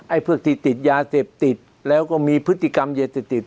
พวกที่ติดยาเสพติดแล้วก็มีพฤติกรรมยาเสพติด